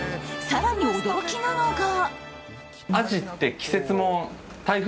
更に驚きなのが。